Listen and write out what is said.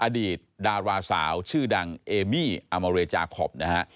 อดีตดาราสาวชื่อดังเอมี่อมาเรจาคอปนะฮะ